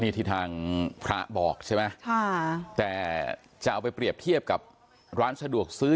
นี่ที่ทางพระบอกใช่ไหมค่ะแต่จะเอาไปเปรียบเทียบกับร้านสะดวกซื้อ